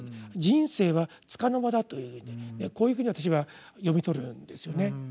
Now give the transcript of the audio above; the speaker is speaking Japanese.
「人生は束の間だ」というふうにこういうふうに私は読み取るんですよね。